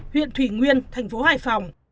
huyện thủy nguyên thành phố hải phòng